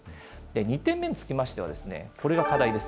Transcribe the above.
２点目につきましては、これが課題です。